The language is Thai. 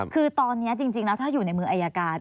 คือตอนนี้จริงแล้วถ้าอยู่ในมืออายการ